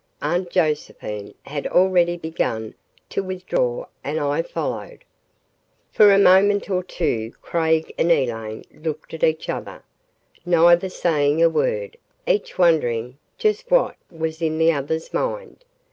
Aunt Josephine had already begun to withdraw and I followed. ........ For a moment or two, Craig and Elaine looked at each other, neither saying a word, each wondering just what was in the other's mind.